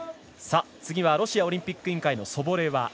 次はロシアオリンピック委員会のソボレワ。